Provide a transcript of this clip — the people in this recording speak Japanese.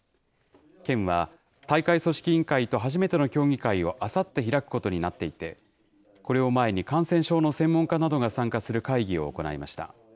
県は、大会組織委員会と初めての協議会をあさって開くことになっていて、これを前に感染症の専門家などが参加する会議を行いました。